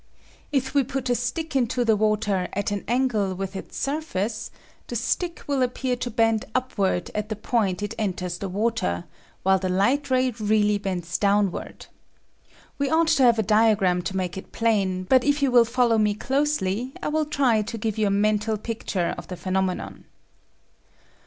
If we put a stick into the water at an angle with its sur face the stick will appear to bend upward at the point it enters the water, while the light ray really bends downward. We ought to have a diagram to make it plain, but if you will follow me closely I will try to give you a mental picture of the phenomenon.